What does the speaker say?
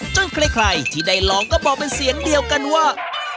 ใครที่ได้ลองก็บอกเป็นเสียงเดียวกันว่า